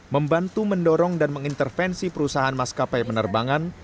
membantu mendorong dan mengintervensi perusahaan maskapai penerbangan